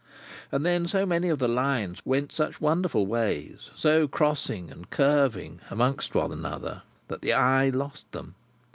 And then so many of the Lines went such wonderful ways, so crossing and curving among one another, that the eye lost them.